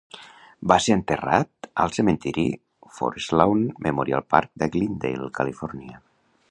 Va ser enterrat al cementiri Forest Lawn Memorial Park de Glendale, Califòrnia.